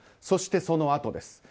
そして、そのあとです。